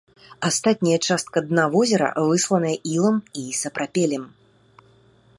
Астатняя частка дна возера высланая ілам і сапрапелем.